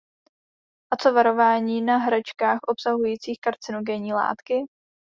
A co varování na hračkách obsahujících karcinogenní látky?